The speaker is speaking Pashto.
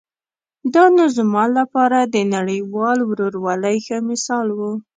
دا نو زما لپاره د نړیوال ورورولۍ ښه مثال و.